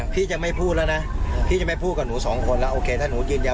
พี่บินเท่าโอกาสแล้วนะไม่ยอมไหว